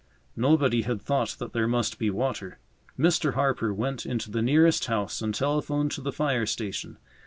Nobody had thought that there must be water. Mr. Harper went into the nearest house and telephoned to the fire station.